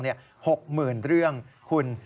หกหมื่นเรื่องคุณ